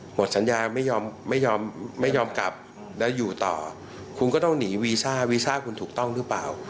หมดสัญญาไม่ยอมไม่ยอมกลับแล้วอยู่ต่อคุณก็ต้องหนีวีซ่าวีซ่าคุณถูกต้องหรือเปล่า